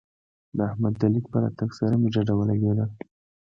د احمد د ليک په راتګ سره مې ډډه ولګېده.